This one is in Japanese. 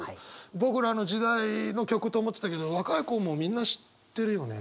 僕らの時代の曲と思ってたけど若い子もみんな知ってるよね？